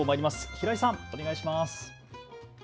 平井さん、お願いします。